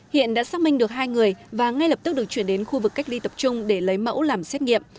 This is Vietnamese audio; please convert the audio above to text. hiện đã xác minh được hai người và ngay lập tức được chuyển đến khu vực cách ly tập trung để lấy mẫu làm xét nghiệm